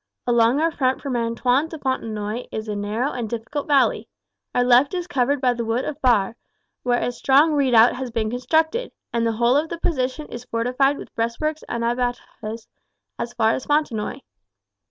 Along our front from Antoin to Fontenoy is a narrow and difficult valley. Our left is covered by the wood of Barre, where a strong redoubt has been constructed; and the whole of the position is fortified with breastworks and abattis as far as Fontenoy.